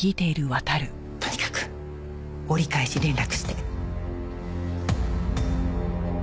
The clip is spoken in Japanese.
とにかく折り返し連絡して。